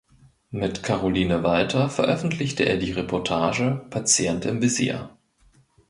Mit Caroline Walter veröffentlichte er die Reportage "Patient im Visier".